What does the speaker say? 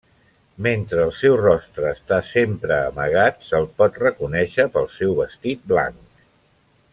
Mentre el seu rostre està sempre amagat, se'l pot reconèixer pel seu vestit blanc.